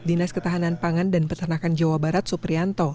dinas ketahanan pangan dan peternakan jawa barat suprianto